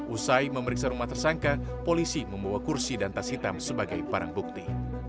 usai memeriksa rumah tersangka polisi membawa kursi dan tas hitam sebagai barang bukti